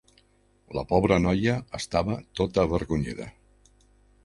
La pobra noia estava tota avergonyida.